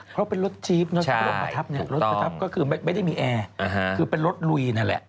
เพราะเป็นรถจี๊บรถประทับก็คือไม่ได้มีแอร์คือเป็นรถลุยนั่นแหละ